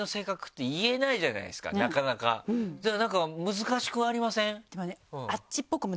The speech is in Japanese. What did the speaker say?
難しくありません？